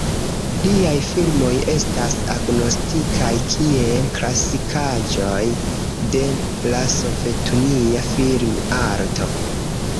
Liaj filmoj estas agnoskitaj kiel klasikaĵoj de la sovetunia film-arto.